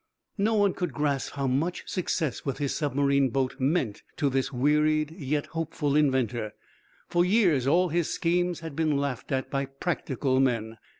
No one could grasp how much success with his submarine boat meant to this wearied yet hopeful inventor. For years all his schemes had been laughed at by "practical" men.